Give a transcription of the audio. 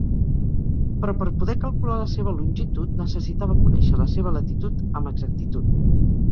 Però per poder calcular la seva longitud, necessitava conèixer la seva latitud amb exactitud.